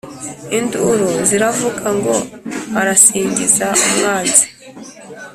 Induru ziravuga, Ngo arasingiza «umwanzi»;